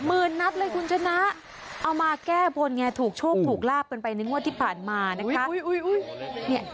นัดเลยคุณชนะเอามาแก้บนไงถูกโชคถูกลาบกันไปในงวดที่ผ่านมานะคะ